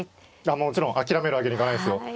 もちろん諦めるわけにいかないですよ。